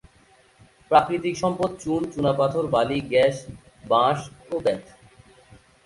প্রাকৃতিক সম্পদ চুন, চুনাপাথর, বালি, গ্যাস, বাঁশ ও বেত।